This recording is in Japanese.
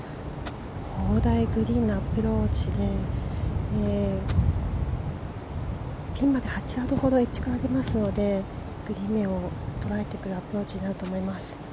砲台グリーンのアプローチでピンまで８ヤードほどエッジまでありますのでグリーン面を捉えていくアプローチになると思います。